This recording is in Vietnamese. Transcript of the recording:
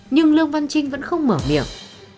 nhưng lương văn trinh vẫn không mở miệng